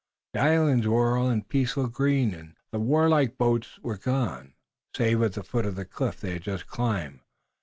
The islands were all in peaceful green and the warlike boats were gone, save at the foot of the cliff they had just climbed.